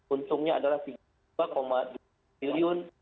untungnya adalah rp tiga puluh dua dua triliun